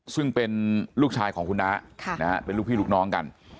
ซึ่งเป็นลูกชายของคุณน้าเป็นลูกพี่ลูกน้องกัน